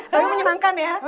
tapi menyenangkan ya